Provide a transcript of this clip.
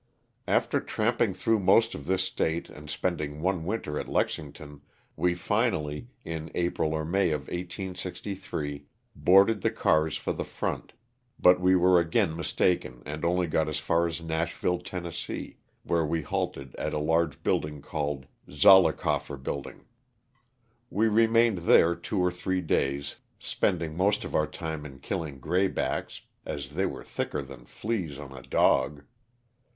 After tramp ing through most of this State and spending one winter at Lexington, we finally, in April or May of 1863, boarded the cars for the front, but we were again mistaken and only got as far as Nashville, Tenn., where we halted at a large building called " Zollicoffer Building." We remained there two or three days, LOSS OF THE SULTANA. 153 spending most of our time in killing graybacks as they were thicker than fleas on a dog.